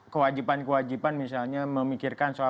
kewajiban kewajiban misalnya memikirkan soal